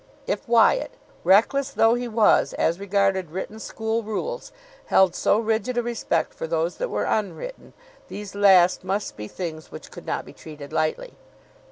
If Wyatt, reckless though he was as regarded written school rules, held so rigid a respect for those that were unwritten, these last must be things which could not be treated lightly.